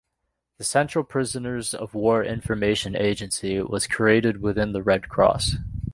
The central prisoners of war information agency was created within the Red Cross.